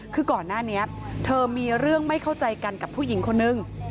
คือก่อนหน้านี้เธอมีเรื่องไม่เข้าใจกันกับผู้หญิงคนนึง